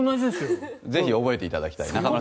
ぜひ覚えていただきたい。